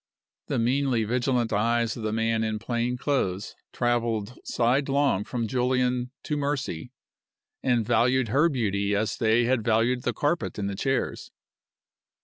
The meanly vigilant eyes of the man in plain clothes traveled sidelong from Julian to Mercy, and valued her beauty as they had valued the carpet and the chairs.